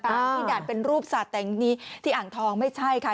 ที่ด่านเป็นรูปสัตว์แต่อย่างนี้ที่อ่างทองไม่ใช่ค่ะ